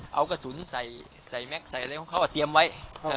เอากระสุนใส่แม็กซใส่อะไรของเขาเตรียมไว้